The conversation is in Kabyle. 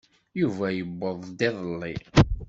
Yuba yewweḍ-d iḍelli.